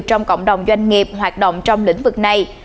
trong cộng đồng doanh nghiệp hoạt động trong lĩnh vực này